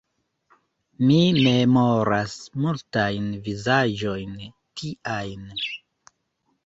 Mi memoras multajn vizaĝojn tiajn.